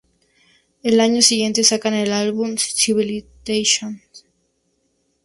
Al año siguiente sacan el álbum "Civilization".